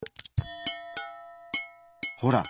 ほら！